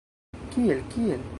Kiel, kiel?